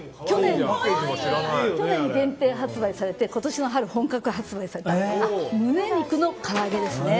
去年、限定発売されて今年の春、本格発売されたんです。